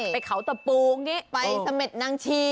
ไปเขาตะปูงไปสะเมดแนนางชี